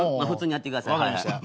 普通にやってください。